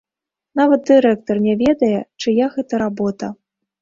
Нават дырэктар не ведае, чыя гэта работа.